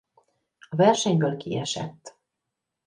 A versenyből kiesett.